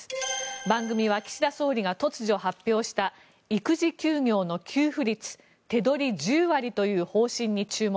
番組は岸田総理が突如、発表した育児休業の給付率手取り１０割という方針に注目。